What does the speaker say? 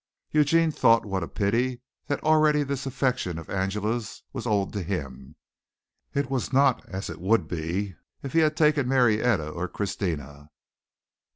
Eugene thought what a pity that already this affection of Angela's was old to him. It was not as it would be if he had taken Marietta or Christina.